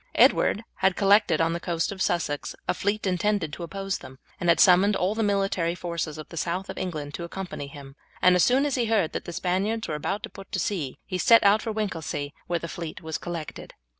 Edward had collected on the coast of Sussex a fleet intended to oppose them, and had summoned all the military forces of the south of England to accompany him; and as soon as he heard that the Spaniards were about to put to sea he set out for Winchelsea, where the fleet was collected.